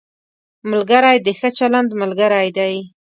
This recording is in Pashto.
ملګری د ښه چلند ملګری دی